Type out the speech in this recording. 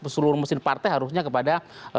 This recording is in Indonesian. seluruh mesin partai harusnya kepada